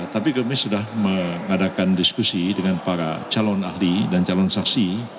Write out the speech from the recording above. tapi kami sudah mengadakan diskusi dengan para calon ahli dan calon saksi